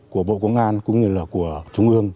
của bộ công an cũng như là của trung ương